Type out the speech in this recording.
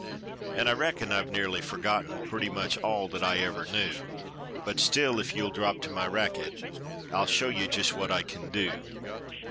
An' I reckon I've nearly forgotten Purty much all that I ever knew. But still, if ye'll drop to my racket, I'll show ye jist what I kin do.